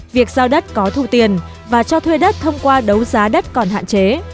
việc giao đất có thu tiền và cho thuê đất thông qua đấu giá đất còn hạn chế